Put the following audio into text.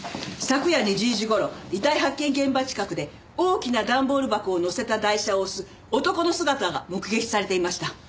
昨夜２０時頃遺体発見現場近くで大きな段ボール箱を載せた台車を押す男の姿が目撃されていました。